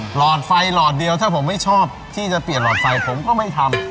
หลอดไฟหลอดเดียวถ้าผมไม่ชอบที่จะเปลี่ยนหลอดไฟผมก็ไม่ทำ